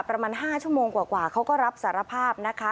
ประมาณ๕ชั่วโมงกว่าเขาก็รับสารภาพนะคะ